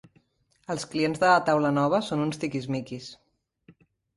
Els clients de la taula nova són uns tiquis-miquis.